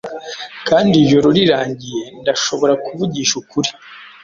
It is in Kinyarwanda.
Kandi ijoro rirangiye, ndashobora kuvugisha ukuri